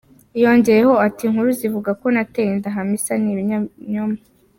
" Yongeyeho ati "Inkuru zivuga ko nateye inda Hamisa ni ibinyoma.